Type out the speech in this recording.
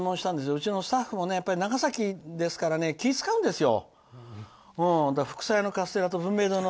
うちのスタッフもやっぱり長崎ですから気を使うんですよ。